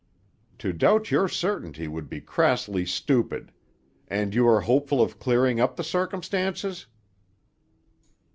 "To doubt your certainty would be crassly stupid. And are you hopeful of clearing up the circumstances?"